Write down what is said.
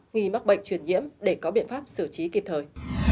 nghi mắc bệnh truyền nhiễm để có biện pháp xử trí kịp thời